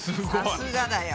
さすがだよ。